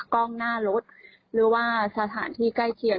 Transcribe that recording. กล้องหน้ารถหรือว่าสถานที่ใกล้เคียง